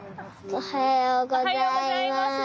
おはようございます。